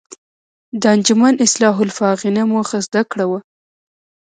د انجمن اصلاح الافاغنه موخه زده کړه وه.